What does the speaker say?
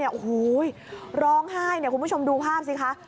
โอ้โหร้องไห้เนี่ยคุณผู้ชมดูภาพสิคะ